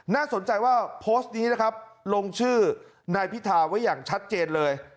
น่าสนใจว่าโพสต์นี้นะครับลงชื่อนายพิธาไว้อย่างชัดเจนเลย